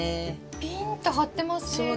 ピーンッと張ってますね皮が。